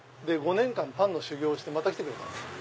５年間パンの修業をしてまた来てくれたんです。